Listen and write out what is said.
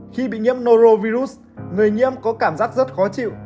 khi bị nhiễm norovirus người nhiễm có cảm giác rất khó chịu